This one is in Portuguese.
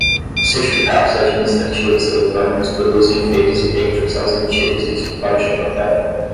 Os certificados administrativos eletrônicos produzem efeitos idênticos aos emitidos em suporte de papel.